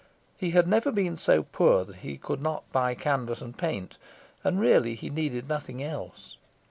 He had never been so poor that he could not buy canvas and paint, and really he needed nothing else.